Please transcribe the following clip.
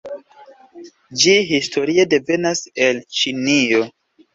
Ĝi historie devenas el Ĉinio.